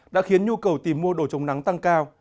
đã khiến nhu cầu tìm mua đồ chống nắng tăng cao